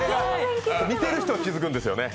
見ている人は気付くんですよね。